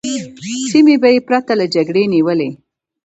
سیمې به یې پرته له جګړې نیولې.